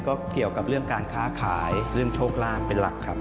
ก็เกี่ยวกับเรื่องการค้าขายเรื่องโชคลาภเป็นหลักครับ